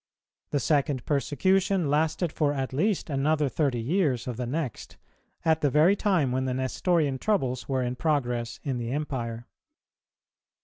The second persecution lasted for at least another thirty years of the next, at the very time when the Nestorian troubles were in progress in the Empire.